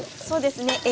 そうですね。